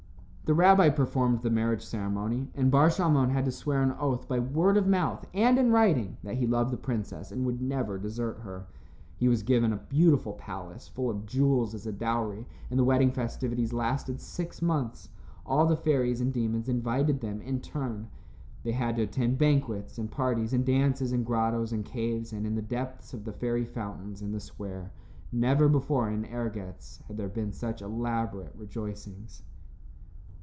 The rabbi performed the marriage ceremony, and Bar Shalmon had to swear an oath by word of mouth and in writing that he loved the princess and would never desert her. He was given a beautiful palace full of jewels as a dowry, and the wedding festivities lasted six months. All the fairies and demons invited them in turn; they had to attend banquets and parties and dances in grottoes and caves and in the depths of the fairy fountains in the square. Never before in Ergetz had there been such elaborate rejoicings.